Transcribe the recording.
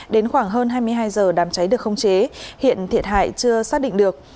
đến khoảng hơn hai mươi hai giờ đám cháy được khống chế hiện thiệt hại chưa xác định được